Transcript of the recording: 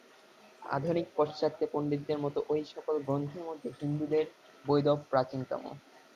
আধুনিক পাশ্চাত্য পণ্ডিতদের মতে ঐ-সকল গ্রন্থের মধ্যে হিন্দুদের বেদই প্রাচীনতম।